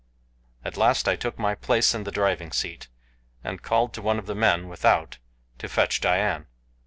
At last I took my place in the driving seat, and called to one of the men without to fetch Dian.